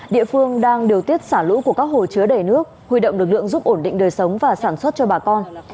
địa phương đang điều tiết xả lũ của các hồ chứa đầy nước huy động lực lượng giúp ổn định đời sống và sản xuất cho bà con